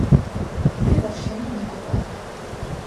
მე ვარ შენი მეგობარი